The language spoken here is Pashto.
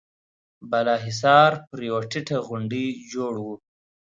بالا حصار پر يوه ټيټه غونډۍ جوړ و.